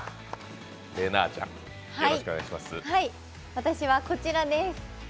私はこちらです。